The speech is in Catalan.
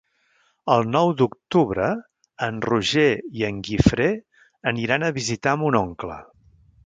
El nou d'octubre en Roger i en Guifré aniran a visitar mon oncle.